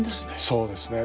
そうですね。